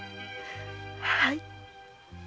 はい。